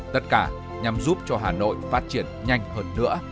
tất cả nhằm giúp cho hà nội phát triển nhanh hơn nữa